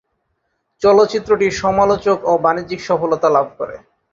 চলচ্চিত্রটি সমালোচক ও বাণিজ্যিক সফলতা লাভ করে।